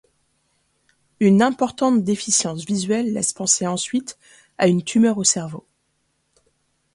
Une importante déficience visuelle laisse penser ensuite à une tumeur au cerveau.